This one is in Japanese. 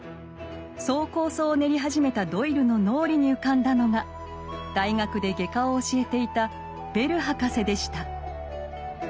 そう構想を練り始めたドイルの脳裏に浮かんだのが大学で外科を教えていたベル博士でした。